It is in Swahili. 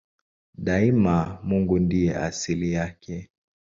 Daima Mungu ndiye asili yake.